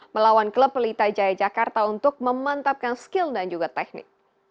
melawan klub pelita jaya jakarta untuk memantapkan skill dan juga teknik